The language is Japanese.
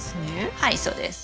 はいそうです。